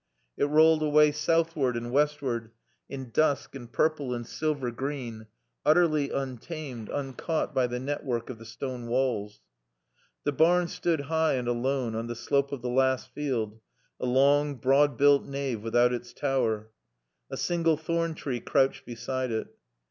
It rolled away southward and westward, in dusk and purple and silver green, utterly untamed, uncaught by the network of the stone walls. The barn stood high and alone on the slope of the last field, a long, broad built nave without its tower. A single thorn tree crouched beside it.